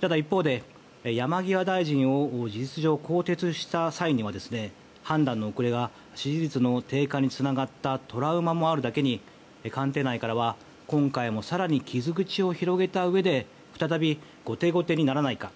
ただ、一方で山際大臣を事実上、更迭した際には判断の遅れが支持率の低下につながったトラウマもあるだけに官邸内からは今回も更に傷口を広げたうえで再び後手後手にならないか。